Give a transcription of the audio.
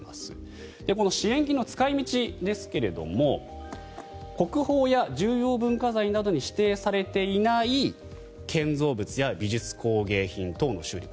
この支援金の使い道ですが国宝や重要文化財などに指定されていない建造物や美術工芸品等の修理